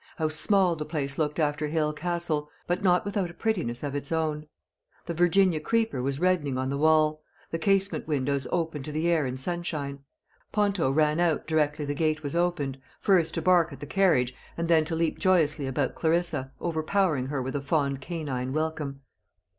How small the place looked after Hale Castle! but not without a prettiness of its own. The virginia creeper was reddening on the wall; the casement windows open to the air and sunshine. Ponto ran out directly the gate was opened first to bark at the carriage, and then to leap joyously about Clarissa, overpowering her with a fond canine welcome.